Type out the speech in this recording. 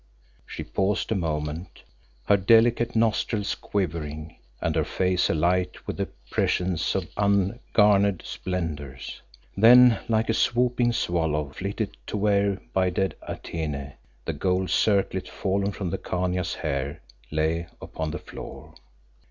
She paused a moment, her delicate nostrils quivering, and her face alight with the prescience of ungarnered splendours; then like a swooping swallow flitted to where, by dead Atene, the gold circlet fallen from the Khania's hair lay upon the floor.